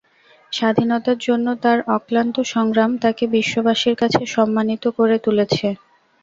স্বাধীনতার জন্য তাঁর অক্লান্ত সংগ্রাম তাঁকে বিশ্বাবাসীর কাছে সম্মানিত করে তুলেছে।